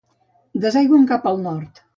Desaigüen cap al nord.